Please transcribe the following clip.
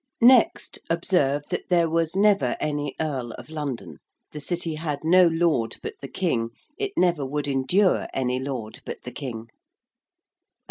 Next, observe that there was never any Earl of London: the City had no Lord but the King: it never would endure any Lord but the King.